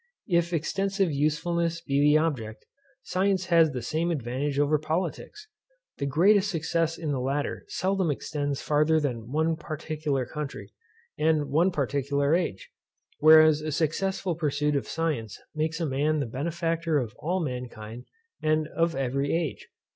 If extensive usefulness be the object, science has the same advantage over politics. The greatest success in the latter seldom extends farther than one particular country, and one particular age; whereas a successful pursuit of science makes a man the benefactor of all mankind, and of every age.